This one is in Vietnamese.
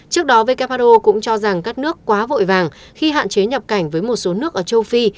trước đó who cũng cho rằng các nước quá vội vàng khi hạn chế nhập cảnh với một số nước ở châu phi